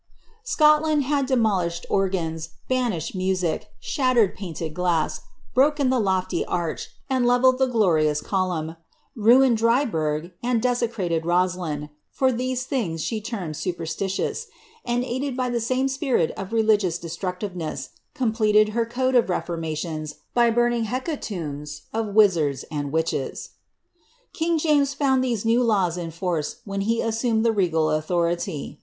Scotland had de molished organs, banished music, shattered painted glass, broken the lofty arch, and levelled the glorious column, ruined Dryburgh, and de aecrated Rosiin, for these things she termed superstitious ; and, aided by the same spirit of religious desuructiTeness, completed her code of reform ations by burning hecatombs of wizards and witches. King James found tliese new laws in force when he assumed the regal authority.